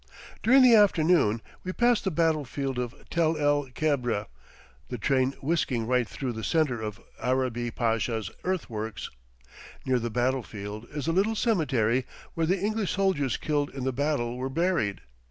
During the afternoon we pass the battle field of Tel el Kebre, the train whisking right through the centre of Arabi Pasha's earthworks. Near the battle field is a little cemetery where the English soldiers killed in the battle were buried.